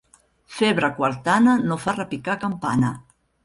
Febre quartana no fa repicar campana.